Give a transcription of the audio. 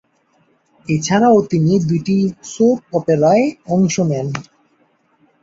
এছাড়াও তিনি দুইটি সোপ অপেরায় অংশ নেন।